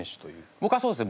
ぼくはそうですね。